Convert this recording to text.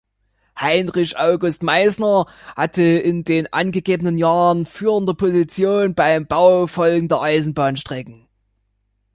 Heinrich August Meißner hatte in den angegebenen Jahren führende Positionen beim Bau folgender Eisenbahnstrecken